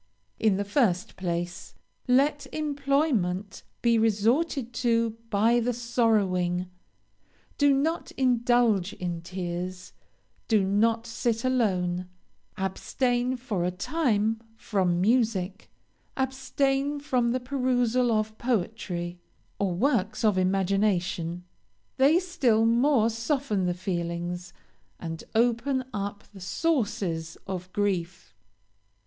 "In the first place, let employment be resorted to by the sorrowing, do not indulge in tears; do not sit alone: abstain, for a time, from music; abstain from the perusal of poetry, or works of imagination. They still more soften the feelings and open up the sources of grief.